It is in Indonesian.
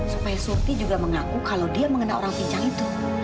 supaya surti juga mengaku kalau dia mengenal orang pincang itu